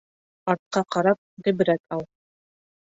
Артҡа ҡарап ғибрәт ал